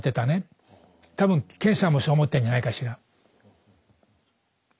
多分健さんもそう思ってんじゃないかしら。